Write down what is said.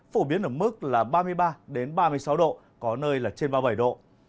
phổ biến ở mức là ba mươi ba ba mươi sáu độ có nơi là trên ba mươi bảy độ